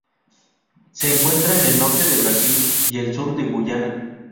Se encuentra en el norte de Brasil y el sur de Guyana.